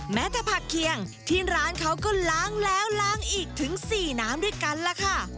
แม้แต่ผักเคียงที่ร้านเขาก็ล้างแล้วล้างอีกถึง๔น้ำด้วยกันล่ะค่ะ